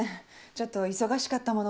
ちょっと忙しかったもので。